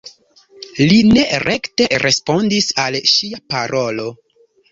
Li ne rekte respondis al ŝia parolo.